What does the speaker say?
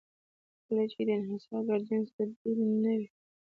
کله چې د انحصارګر جنس بدیل نه وي.